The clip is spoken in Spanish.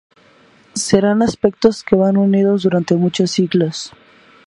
Serán aspectos que van unidos durante muchos siglos.